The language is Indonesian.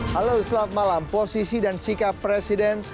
halo selamat malam posisi dan sikap presiden